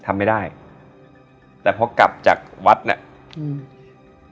ทำไม่ได้แต่พอกลับจากวัดน่ะอืม